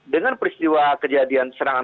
dengan peristiwa kejadian serangan